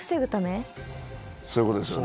そういう事ですよね。